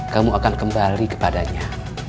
kamu akan kembali kepadanya